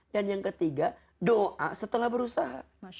dan yang ketiga doa setelah berusaha